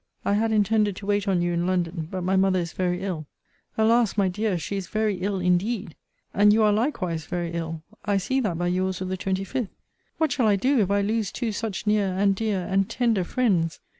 I had intended to wait on you in London: but my mother is very ill Alas! my dear, she is very ill indeed and you are likewise very ill I see that by your's of the 25th What shall I do, if I lose two such near, and dear, and tender friends?